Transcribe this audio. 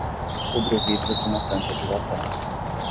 Cubra o vidro com uma tampa de latão.